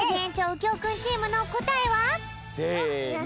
うきょうくんチームのこたえは？せの。